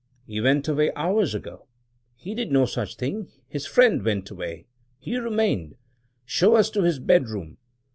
"He went away hours ago." "He did no such thing. His friend went away; he remained. Show us to his bedroom!"